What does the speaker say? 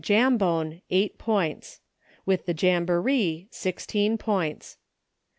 77 Jambone, eiglit points ; with the Jamboree, sixteen points.